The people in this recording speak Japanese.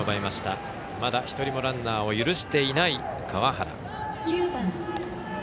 まだ１人もランナーを許していない川原。